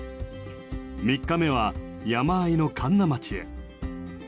３日目は山あいの神流町へ。